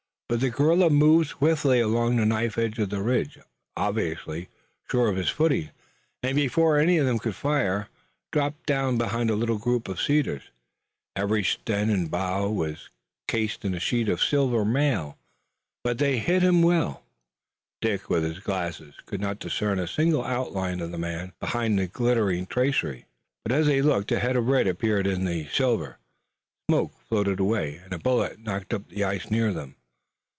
But the guerrilla moved swiftly along the knife edge of the ridge, obviously sure of his footing, and before any of them could fire, dropped down behind a little group of cedars. Every stem and bough was cased in a sheath of silver mail, but they hid him well. Dick, with his glasses, could not discern a single outline of the man behind the glittering tracery. But as they looked, a head of red appeared suddenly in the silver, smoke floated away, and a bullet knocked up the ice near them.